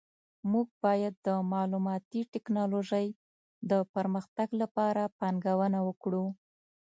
موږ باید د معلوماتي ټکنالوژۍ د پرمختګ لپاره پانګونه وکړو